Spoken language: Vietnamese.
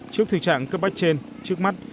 trước thực trạng cấp bách trên trước mắt